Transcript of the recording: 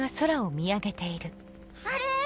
あれ？